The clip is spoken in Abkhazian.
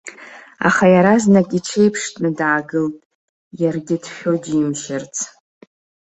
Аха иаразнак иҽеиԥштәны даагылт, иаргьы дшәо џьимшьарц.